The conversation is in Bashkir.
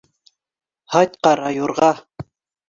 — Һайт, ҡара юрға!